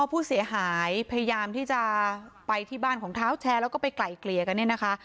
ผู้เสียหายพยายามที่จะไปที่บ้านของเท้าแชร์แล้วก็ไปไกลเกลี่ยกันเนี่ยนะคะ